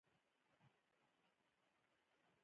خو ټرمپ تازه ویلي، داسې یې نه منم